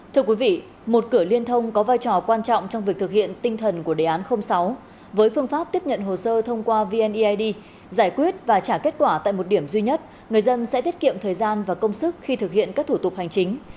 thưa quý vị một cửa liên thông có vai trò quan trọng trong việc thực hiện tinh thần của đề án sáu với phương pháp tiếp nhận hồ sơ thông qua vneid giải quyết và trả kết quả tại một điểm duy nhất người dân sẽ tiết kiệm thời gian và công sức khi thực hiện các thủ tục hành chính